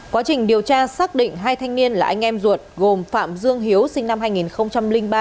quá trình điều tra xác định hai thanh niên là anh em ruột gồm phạm dương hiếu sinh năm hai nghìn ba